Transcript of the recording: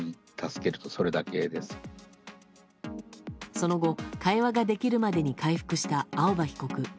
その後、会話ができるまでに回復した青葉被告。